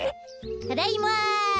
ただいま！